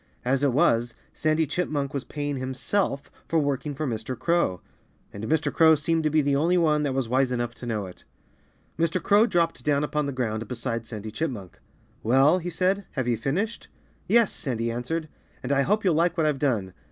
As it was, Sandy Chipmunk was paying himself for working for Mr. Crow. And Mr. Crow seemed to be the only one that was wise enough to know it. Mr. Crow dropped down upon the ground beside Sandy Chipmunk. "Well," he said, "have you finished?" "Yes!" Sandy answered. "And I hope you'll like what I've done.